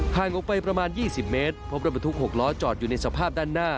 ห่างออกไปประมาณ๒๐เมตรพบรถบรรทุก๖ล้อจอดอยู่ในสภาพด้านหน้า